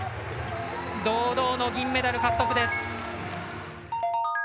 堂々の銀メダル獲得です。